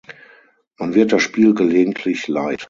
Man wird das Spiel gelegentlich leid.